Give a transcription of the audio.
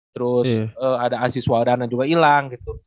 terus ada aziz waladana juga hilang gitu